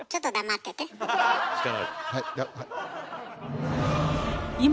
はい。